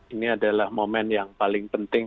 ini adalah momen yang paling penting